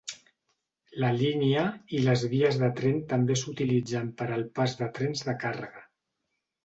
La línia i les vies de tren també s'utilitzen per al pas de trens de càrrega.